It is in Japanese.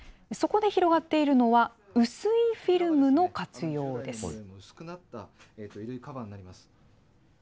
そこで広がっているのは、薄いフィルムの活用です。